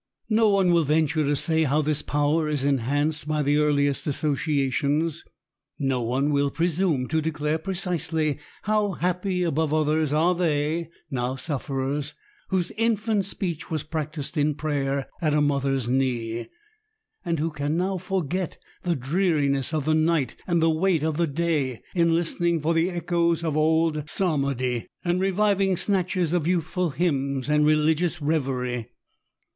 No one will venture to say how this power is enhanced by the earliest associations. No one will presume to declare precisely how happy above others are they, now sufferers, whose infant speech was practised in prayer at a mother's knee, and who can now forget the dreariness of the night and the weight of the day in listening for the echoes of old psalmody, and reviving snatches of youthful hymns and religious reverie.